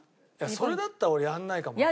それだったら俺やらないかもな。